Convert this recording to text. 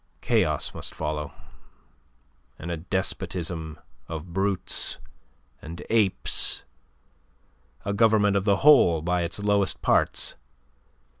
Chaos must follow, and a despotism of brutes and apes, a government of the whole by its lowest parts.